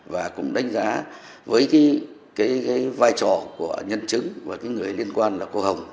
và cũng đánh giá với cái vai trò của nhân chứng và cái người liên quan là cô hồng